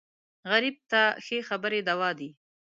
غریب ته ښې خبرې دوا دي